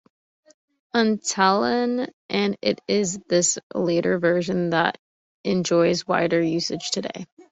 Untalan, and it is this later version that enjoys wider usage today.